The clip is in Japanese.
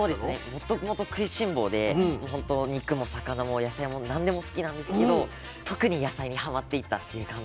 もともと食いしん坊でもうほんと肉も魚も野菜も何でも好きなんですけど特に野菜にハマっていったっていう感じで。